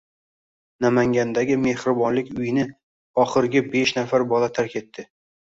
Namangandagi mehribonlik uyini oxirgibeshnafar bola tark etdi